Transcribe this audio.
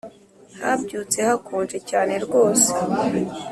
habyutse hakonje cyane rwose